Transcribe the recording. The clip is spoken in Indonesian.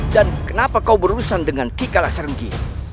dan kenapa kau berurusan dengan ti kalas renggi